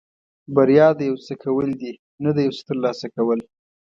بریا د یو څه کول دي نه د یو څه ترلاسه کول.